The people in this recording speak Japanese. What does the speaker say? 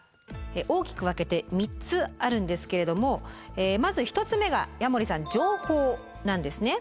大きく分けて３つあるんですけれどもまず１つ目が矢守さん「情報」なんですね。